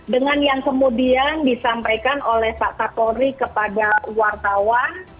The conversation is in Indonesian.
dengan yang kemudian disampaikan oleh pak kapolri kepada wartawan